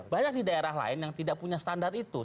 banyak di daerah lain yang tidak punya standar itu